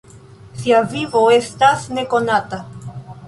Sia vivo estas nekonata.